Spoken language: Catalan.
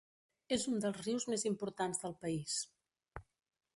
És un dels rius més importants del país.